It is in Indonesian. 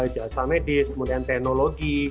jasa medis kemudian teknologi